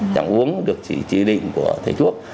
chẳng uống được chỉ định của thầy thuốc